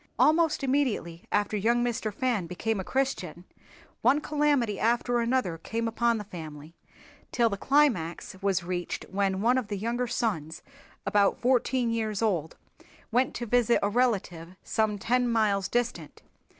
Almost immediately after young Mr. Fan became a Christian one calamity after another came upon the family till the climax was reached when one of the younger sons, about fourteen years old, went to visit a relative some ten miles distant.